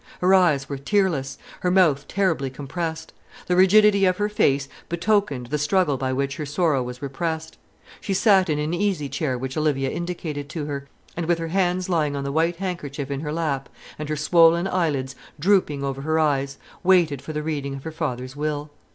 Her eyes were tearless, her mouth terribly compressed. The rigidity of her face betokened the struggle by which her sorrow was repressed. She sat in an easy chair which Olivia indicated to her, and with her hands lying on the white handkerchief in her lap, and her swollen eyelids drooping over her eyes, waited for the reading of her father's will.